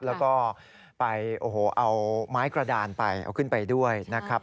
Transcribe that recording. แล้วก็ไปโอ้โหเอาไม้กระดานไปเอาขึ้นไปด้วยนะครับ